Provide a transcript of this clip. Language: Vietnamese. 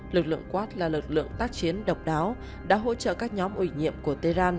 lực lượng quát là lực lượng tác chiến độc đáo đã hỗ trợ các nhóm ủy nhiệm của tehran